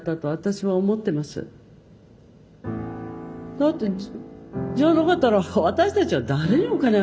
だってじゃなかったら私たちは誰にお金払ったんですか？